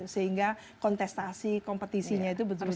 sehingga kontestasi kompetisinya itu betul betul